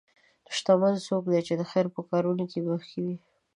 شتمن څوک دی چې د خیر په کارونو کې مخکې وي.